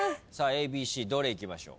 ＡＢＣどれいきましょう？